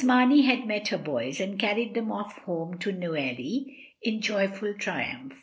Marney had met her boys, and carried them off home to Neuilly in joyful triumph.